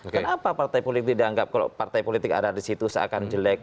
kenapa partai politik tidak dianggap kalau partai politik ada disitu seakan jelek